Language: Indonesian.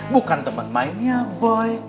bukan temen mainnya boy